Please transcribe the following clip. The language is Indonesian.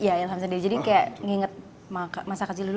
iya ilham sendiri jadi kayak nginget masa kecil dulu